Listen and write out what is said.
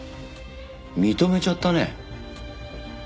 認めちゃったね。